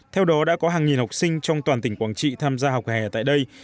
theo đó đã có hàng nghìn học sinh trong toàn tỉnh quảng trị tham gia học hè tại đây